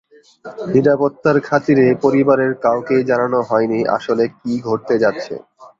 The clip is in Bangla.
নিরাপত্তার খাতিরে পরিবারের কাউকেই জানানো হয়নি আসলে কী ঘটতে যাচ্ছে।